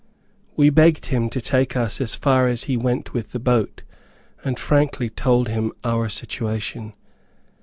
We begged him to take us as far as he went with the boat, and frankly told him our situation.